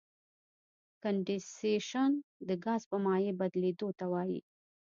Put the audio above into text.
کنډېنسیشن د ګاز په مایع بدلیدو ته وایي.